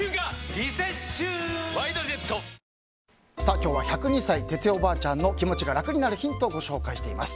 今日は１０２歳、哲代おばあちゃんの気持ちが楽になるヒントをご紹介しています。